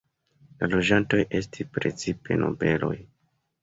La loĝantoj estis precipe nobeloj.